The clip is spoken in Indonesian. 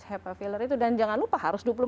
hepa filler itu dan jangan lupa harus